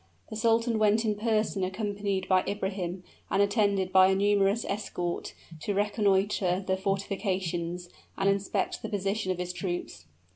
The sultan went in person accompanied by Ibrahim, and attended by a numerous escort, to reconnoiter the fortifications, and inspect the position of his troops.